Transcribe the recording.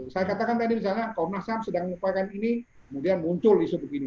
saya katakan tadi misalnya kaum nasab sedang melakukan ini kemudian muncul isu begini